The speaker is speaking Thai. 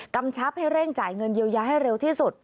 กำชับให้เร่งจ่ายเงินเยียวยาให้เร็วที่สุด